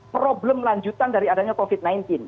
problem lanjutan dari adanya covid sembilan belas